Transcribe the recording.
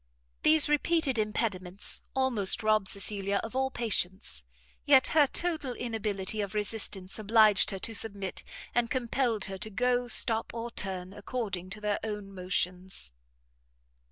These repeated impediments almost robbed Cecilia of all patience; yet her total inability of resistance obliged her to submit, and compelled her to go, stop, or turn, according to their own motions.